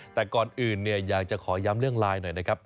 แต่ก่อนอื่นอยากจะขอย้ำเรื่องไลน์หน่อยนะครับ